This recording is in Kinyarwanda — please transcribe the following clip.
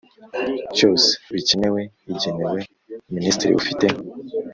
cyose bikenewe igenewe Minisitiri ufite